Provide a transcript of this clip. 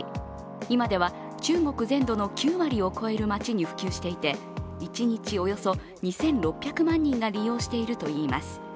今では中国全土の９割を超える街に普及していて一日およそ２６００万人が利用しているといいます